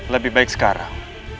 lebih baik sekarang